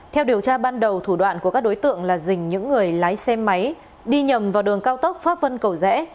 theo điều tra ban đầu thủ đoạn của các đối tượng là dình những người lái xe máy đi nhầm vào đường cao tốc pháp vân cầu rẽ